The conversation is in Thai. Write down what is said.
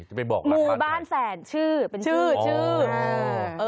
จะไปบอกรักบ้านแฟนไหนชื่อเป็นชื่อโอ้โฮ